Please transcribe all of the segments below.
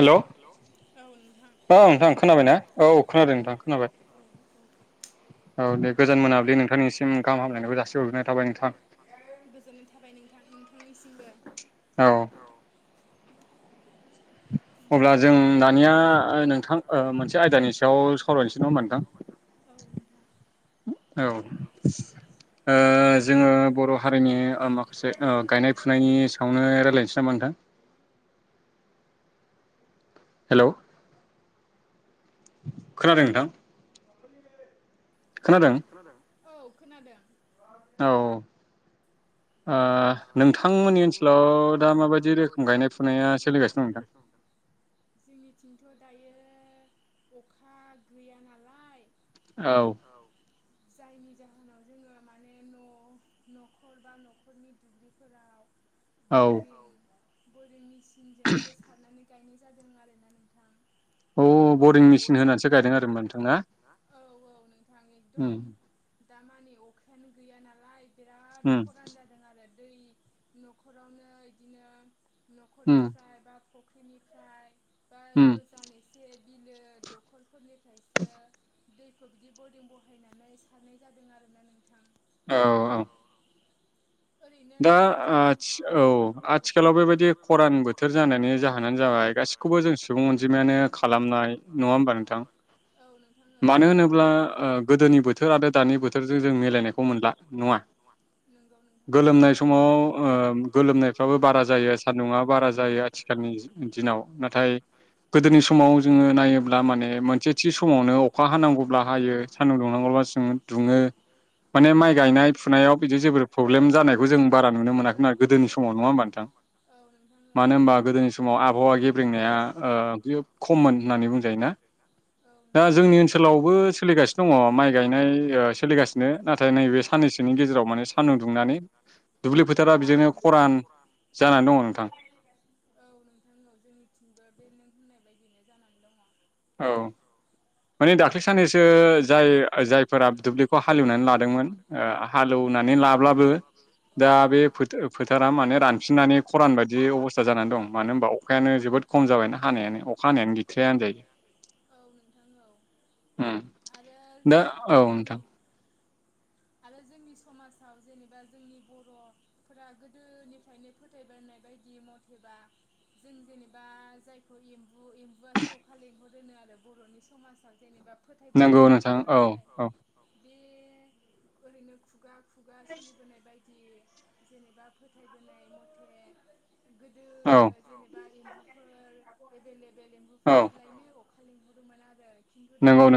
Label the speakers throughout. Speaker 1: Hello
Speaker 2: औ नोंथां खोनादों खोनाबायना औ औ‌ खोनादों। औ दे गोजान मोनाब्लि नोंथांनिसिम गाहाम हामलायनायखौ जासि हरग्रोनाय थाबाय नोंथां गोजोन्नाय थाबाय। नोंथांनिसिम
Speaker 1: औ अब्ला जों दानिया नोंथां मोनसे आयदानि सायाव सावरायनोसै नङा ओमबा नोंथां? औ जोङो बर' हारिनि माखासे गायनाय फुनायनि सायावनो रायजलायनोसै नामा नोंथां। [inaudible] हेलौ खोनादों नोंथां? खोनादों?
Speaker 2: औ खोनादों।
Speaker 1: औ नोंथांमोननि ओनसोलाव दा माबायदि रोखोम गायनाय फुनाया सोलिगासिनो दं नोंथां?
Speaker 2: जोंनिथिंथ' दायो अखा गैया नालाय।
Speaker 1: औ,
Speaker 2: जायनि जाहोनाव जोङो माने न' न'खर बा न'खर, नि दुब्लिफोराव बरिं मेसिन जोंसो सारनानै गायनाय जादों आरोना नोंथां। औ बरिं मेचीन होनानैसो गायदों आरो नोंथां औ औ नोंथां एकदम दा मानि अखायानो गैया नालाय बिराद खरान जायो। आरो दै न'खरावनो बिदिनो न'खरनिफ्राय बा निफ्राय बा गोजान एसे बिलो दखलफोरनिफ्रायसो दैखौ बिदि बरिं बहायनानै सारनाय जादों आरोना नोंथां।
Speaker 1: औ औ।
Speaker 2: ओरैनो नोंथां, औ आथिखालाव बेबायदि खरान बोथोर जानायनि जाहोना, [unintelligible] गासिखौबो जों सुबुं अनजिमायानो खालामनाय नङा हबा नोंथां औ
Speaker 1: गोदोनि बोथोर आरो दानि बोथोरजों जों मिलायनायखौ मोनला नङा? गोलोमनायफ्राबो बारा जायो सान्दुङा बारा जायो। आथिखालनि दिनाव नाथाय गोदोनि समाव जोङो नायोब्ला माने मोनसे थि समावनो अखा हानांगौब्ला हायो सानदुं दुंनांगौबा दुङो, माने माइ गायनाय फुनायाव बिदि जेबो फ्रब्लेम जानायखौ जों बारा नुनो मोनाखैमोन आरो गोदोनि समाव नङा होमबा नोंथां। मानो होनबा गोदोनि समाव आ आबहावा गेब्रेंनायाबो खममोन होननानै बुंजायोना। दा जोंनि ओनसोलावबो सोलिगासिनो दङ माइ गायनाय सोलिगासिनो नाथाय नैबे साननैसोनि गेजाव माने सान्दुं दुंनानै दुब्लि फोथारा बिदिनो खरान जानानै दङ नोंथां।
Speaker 2: औ नोंथांनाव जोंनिथिंबो बे नों होननाय बायदियैनो जानानै दङ।
Speaker 1: औ। माने दाख्लै साननैसो जाय जायफोरा दुब्लिखौ हालेवनानै लादोंमोन हालेव- नानै लाब्लाबो दा बे फोथारा माने रानफिननानै खरान बायदि अबस्था जानानै दं मानो होनबा अखायानो जोबोद जोबोद खम जाबायना हानायानो अखा हानायानो गैस‍‌रायानो होनजायो उम, दा औ नोंथां। [inaudible]
Speaker 2: जोंनि समाजाव जेनेबा जोंनि बर'फोरा गोदोनिफ्रायनो फोथायबोनाय बायदि [unintelligible] जेनेबा जायखौ एम्बु एम्बुआसो अखा लेंहरो होनो आरो बर'नि समाजाव जेनेबा
Speaker 1: नगौ नोंथां औ औ।
Speaker 2: ओरैनो खुगा खुगा सोलिबोनाय बायदि जेनेबा फोथायबोनाय मथे
Speaker 1: औ,
Speaker 2: एम्बुफोर एभेलेबेल एम्बुफ्रासोलायनो अखा लिंह'रोमोन आरो खिन्थु दा बे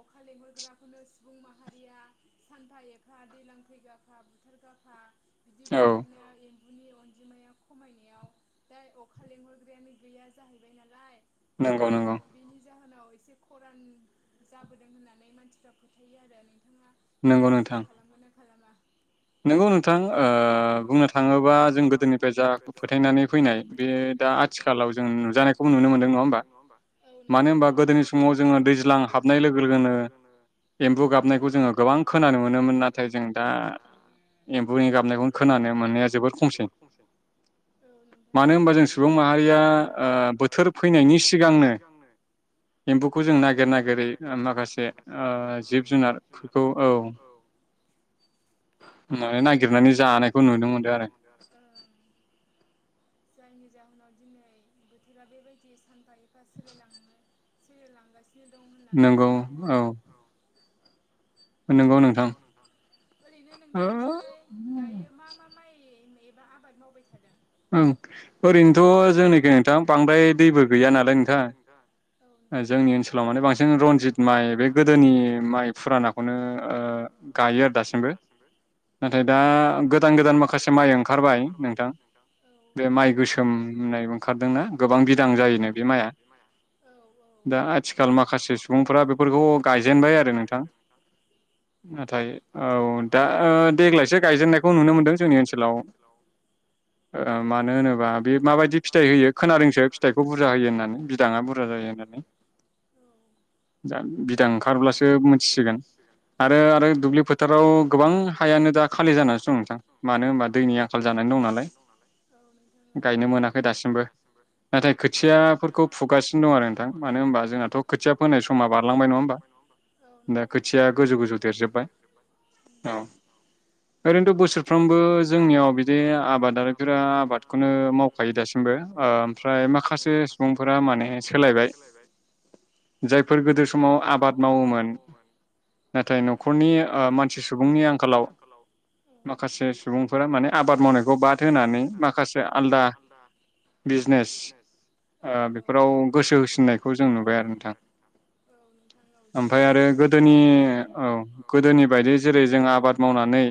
Speaker 2: अखा लेंहरग्राफोरखौनो सुबुं माहारिया सानफा एफा दैज्लां फैगाफा बुथारगाफा बिदि बुथारनायाव एम्बुनि अनजिमाया खमायनायाव दा अखा लेंहरग्रायानो गैया जाहैबाय नालाय
Speaker 1: नंगौ नंगौ
Speaker 2: उनाव एसे खरान जाबोदों होननानै मानसिफ्रा फोथायो आरो नोंथाङा बेखौ बिसास खालामबानो
Speaker 1: नंगौ नोंथां बुंनो थाङोबा, जों गोदोनिफ्राय जा फोथायनानै फैनाय बे
Speaker 2: ओ आथिखालाव जों नुजानायखौबो नुनो मोनदों नङा होमबा मानो होनबा गोदोनि समाव जोङो। दैज्लां हाबनाय लोगो लोगोनो
Speaker 1: एम्बु गाबनायखौ जोङो गोबां खोनानो मोनोमोन नाथाय जों दा एम्बुनि गाबनायखौनो खोनानो मोननाया जोबोद खमसै। मानो होनबा जों सुबुं माहारिया बोथोर फैनायनि सिगांनो एम्बुखौ जों नागिर नागिरै माखासे जिब जुनारफोरखौ औ
Speaker 2: नो नागिरनानै जानायखौ नुनो मोनदों आरो जायनि जाहोनाव दिनै बोथोरा बेबायदि सानफा एफा सोलाय लांनो सोलाय लांगासिनो दं।
Speaker 1: नंगौ औ।
Speaker 2: नंगौ नोंथां। ओरैनो नोंथांनिथिंजाय दायो मा मा माइ एबा आबाद मावबाय थादों?
Speaker 1: ओं ओरैनोथ' जोंनिखै नोंथां बांद्राय दैबो गैया नालाय नोंथां ओ जोंनि ओनसोलाव माने बांसिन रनजित माइ बे गोदोनि माइ फुरानाखौनो ओ गायो आरो दासिमबो। नाथाय दा गोदान गोदान माखासे माइ ओंखारबाय नोंथां। बे माइ गोसोम होननाय ओंखारदों ना गोबां बिदां जायोनो बे माइया। दा आथिखाल माखासे सुबुंफोरा बेफोरखौ गायजेनबाय आरो नोंथां। नाथाय औ दा देग्लायसो गायजेननायखौ नुनो मोनदों जोंनि ओनसोलाव। ओ मानो होनोबा बे माबायदि फिथाइ होयो खोनादोंसो फिथाइखौ बुरजा होयो होननानै बिदाङा बुरजा जायो होनना नै। जानो बिदां ओंखारब्लासो मोनथिसिगोन। आरो आरो दुब्लि फोथाराव गोबां हायानो दा खालि जानानैसो दं नोंथां। मानो होनबा दैनि आंखाल जानाय दं नालाय गायनो मोनाखै दासिमबो। नाथाय खोथियाफोरखौ फुगासिनो दं आरो नोंथां मानो होनबा जोंनाथ' खोथिया फोनाय समा बारलांबाय नङा होमबा। दा खोथिया गो
Speaker 2: थिया गोजौ गोजौ देरजोबबाय--उम--औ।
Speaker 1: ओरैनोथ' बोसोरफ्रामबो जोंनियाव बिदि आबादा [unintelligible] दा आबादखौनो मावखायो दासिमबो ओ ओमफ्राय माखासे सुबुंफोरा माने सोलायबाय। जायफोर गोदो समाव आबाद मावोमोन नाथाय न'खरनि ओ मानसि सुबुंनि आंखालाव माखासे सुबुंफोरा माने आबाद मावनायखौ बाद
Speaker 2: बाद होनानै माखासे आलदा बिजनेस--औ औ बेफोराव गोसो होसिननायखौ जों नुबाय आरो नोंथां--औ
Speaker 1: ओमफाय आरो गोदोनि औ गोदोनि बायदि जेरै जों आबाद मावनानै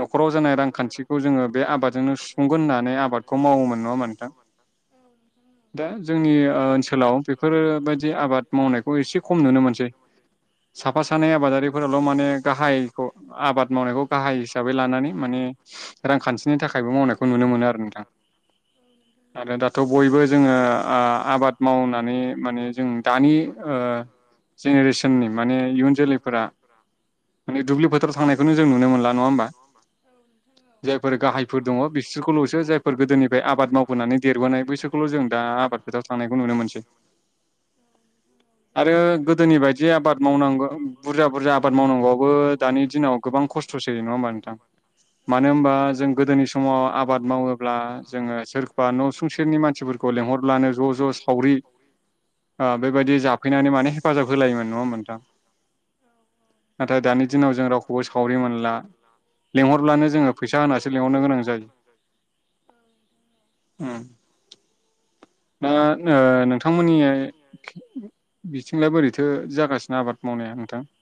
Speaker 1: न'खराव जानाय रांखान्थिखौ जोङो बे आबाद
Speaker 2: बे आबादजोंनो सुफुंगोन होननानै आबादखौ मावोमोन नङा होनबा नोंथां। औ नोंथां औ--दों जोंनि ओ ओनसोलाव बेफोरबायदि आबाद मावनायखौ एसे खम नुनो मोनसै।
Speaker 1: साफा सा थानाय आबादारिफोराल' माने गाहायखौ आबाद मावनायखौ गाहाय हिसाबै लानानै माने रांखान्थिनि था खायबो मावनायखौ नुनो मोनो आरो नोंथां नाथाय दाथ' बयबो जोङो ओ आबाद माव मावनानै माने जों दानि ओ जेनेरेसननि माने इयुन जोलैफोरा
Speaker 2: दुब्लि फोथाराव थांनायखौनो जों नुनो मोनला नङा होमबा--औ नोंथां औ जायफोर
Speaker 1: दङ' बिसोरखौल'सो जायफोर गोदोनिफ्राय आबाद मावबोनानै देरबोनाय बैसोरखौल' जों दा आबाद फोथारावव थांनायखौ नुनो मोनसै आरो गोदोनि बायदि आबाद माव नांगो बुरजा बुरजा आबाद मावनांगौवाबो दानि दिनाव गोबां खस्थ'सै नङा होमबा नोंथां। मा नो होनबा जों गोदोनि समाव आबाद मावोब्ला जोङो सोरखौबा न' सुंसेेरनि मानसिफोरखौ लेंहरब्लानो ज' ज' सावरि आ बेबायदि जाफैनानै माने हेफाजाब होलायोमोन। नङा होनबा नोंथां? [inaudible] नाथाय दानि दिनाव जों रावखौबो सावरि मोनला। लिंहरब्लानो जोङो फैसा होनासो लेंहरनो गोनां जायो। उम दा ओ नोंथांमोननिहाय
Speaker 2: बिथिंलाय बोरैथो जागासिनो आबाद मावनाया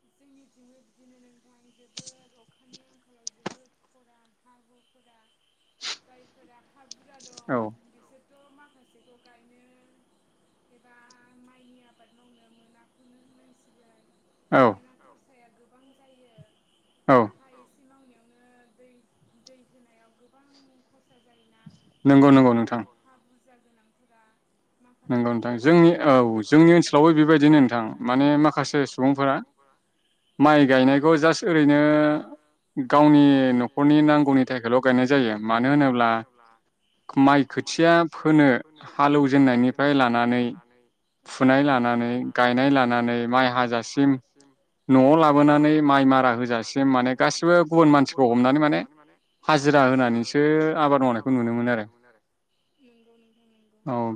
Speaker 2: नोंथां जोंनिथिंबो बिदिनो नोंथा [unintelligible] हानि आंखालाव जोबोद खरान हा हुफोरा जायफोरा हा हु बुरजा दं बिसोरथ' माखासेखौ गायनो एबा माइनि आबाद मावनो मोनाखौनो होननांसिगोन। मानोना खरसाया गोबां जायो।
Speaker 1: औ।
Speaker 2: मावनायावनो दै दै होनायाव गोबां खरसा जायोना। जायनि जाहनाव हा बुरजा गोनां
Speaker 1: [inaudible] नंगौ नोंथां जोंनि औ जोंनि ओनसोलावबो बेबायदिनो नोंथां माने माखासे सुबुंफोरा माइ गायनायखौ जास्ट ओरैनो गावनि न'खरनि नांगौनि थाखायल' गायनाय जायो
Speaker 2: गायनाय जायो मानो होनोब्ला
Speaker 1: माइ खोथिया फोनो हालौ जेननायनि फ्राय लानानै फुनाय लानानै गायनाय लानानै माइ हाजासिम न'आव लाबोनानै माइ मारा होजासिम माने गासिबो गुबुन मानसिखौ हमनानै माने हाजिरा होनानैसो आबाद मावनायखौ नुनो मोनो आरो औ।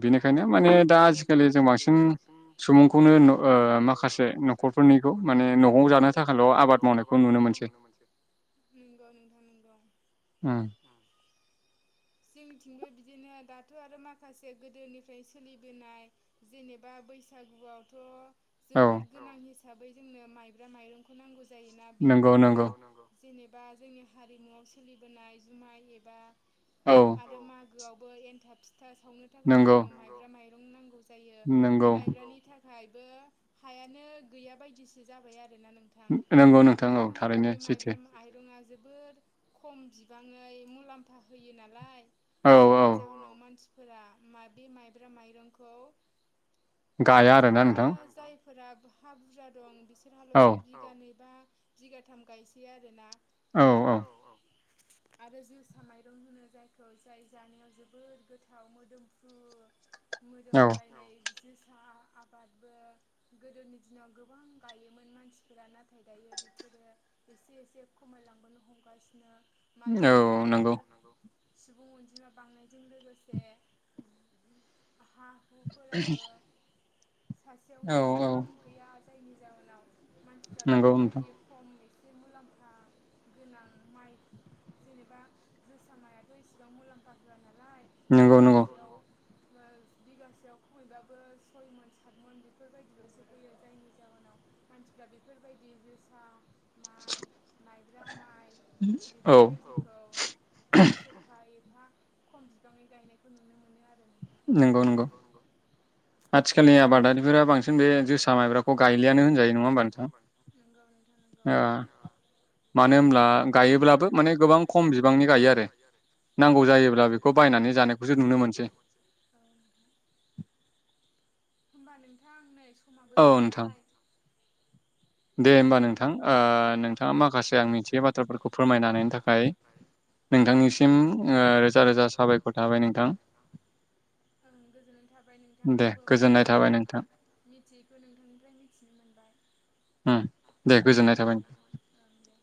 Speaker 1: बेनिखायनो माने दा आजिखालि जों बांसिन सुबुंखौनो ओ माखासे न'खरफोरनि माने न'आव जानो थाखायल' आबाद मावनायखौ नुनो मोनसै।
Speaker 2: नंगौ नोंथां नंगौ। जोंथिंबो बिदिनो दाथ' आरो माख खासे गोदोनिफ्राय सोलिबोनाय जेनेबा बैसागुआवथ' जोबोद गोनां हिसाबै जोंनो माइब्रा माइरंखौ नांगौ जायोना बे माइब्रा जेनेबा जोंनि हारिमुआव सोलिबोनाय जुमाय एबा आरो मा गोआवबो एन्थाब फिथा सावनो थाखाय जोंनो माइब्रा माइरं जायो बे माइब्रानि थाखायबो हायानो गैया बायदिसो जाबाय आरो नोंथां मानो होनोब्ला बे माइब्रा माइरंआ जो जोबोद खम बिबाङै मुलामफा होयो नालाय जायनि जाउनाव मानसि फोरा बे माइब्रा माइरंखौ
Speaker 1: गाया आरोना नोंथां?
Speaker 2: फोर हा बुरजा दं बिसोरहाल'सो बिगानै बा बिगाथाम गायसै आरोना।
Speaker 1: औ औ।
Speaker 2: आरो जोसा माइरं होनो जायखौ जाय जानायाव जोबोद गोथाव। थाव मोदोमफ्रु मोदोमलायनाय जोसा
Speaker 1: [inaudible]
Speaker 2: गोदोनि दिनाव गोबां गायोमोन मानसिफोरा नाथाय दायो बिफोरो एसे एसे खमाय लांबोनो हमगासिनो। मानोना बेफोर सुबुं अनजिमा बांनायजों लोगोसे से हा हुफोराबो सासेयावनो गोबां गैया जायनि जाउनाव मानसिफ्रा बेफोरबायदि खम से मुलाम्फा गोनां माइ जेनेबा जोसा मायाथ' इसिबां मुलाम्फा होआ नालाय
Speaker 1: नंगौ नंगौ।
Speaker 2: बिगासेयाव खुबैबाबो सय मन सात मन बेफोरबायदिल'सो होयो जायनि जाहोनाव मानसिफ्रा बेफोरबायदि जोसा
Speaker 1: [inaudible]
Speaker 2: माइब्रा माइ बेफोरबायदिखौ बोसोरफा ए एफा खम बिबाङै गायनायखौ नुनो मोनो आरो।
Speaker 1: नंगौ नंगौ आथिखालनि आबादारिफोरा बांसिन बे
Speaker 2: जोसा मायब्राखौ गायलियानो होनजायो नङा होनबा नोंथां औ।
Speaker 1: मानो होनब्ला गायोब्लाबो माने गोबां खम बिबांनि गायो आरो नांगौ जायोब्ला बेखौ बाय नानै जानायखौसो नुनो मोनसै।
Speaker 2: होमबा नोंथां आं नै समाबो जाबाय
Speaker 1: दे हबा नोंथां ओ- नोंथाङा माखासे आं मिथियै बाथ्राफोरखौ फोरमायनो हानायनि थाखाय नोंथांनिसिम ओ रोजा रोजा साबायखर थाबाय नोंथां
Speaker 2: आं गोजोननाय थाबाय नोंथाङा आंबोल' माखासे मिथियैख नोंथांनिफ्राय मिथिनो मोनबाय दे ओमबा दे